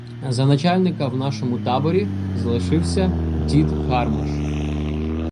За начальника в нашому таборі залишився дід Гармаш.